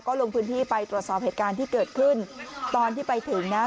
ลงพื้นที่ไปตรวจสอบเหตุการณ์ที่เกิดขึ้นตอนที่ไปถึงนะ